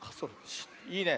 いいね。